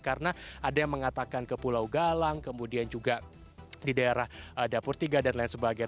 karena ada yang mengatakan ke pulau galang kemudian juga di daerah dapur tiga dan lain sebagainya